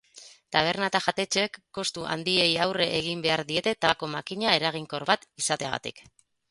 Taberna eta jatetxeek kostu handiei aurre egin behar diete tabako-makina eraginkor bat izateagatik.